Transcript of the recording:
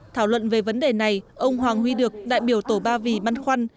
thảo luận về vấn đề này ông hoàng huy được đại biểu tổ ba vì băn khoăn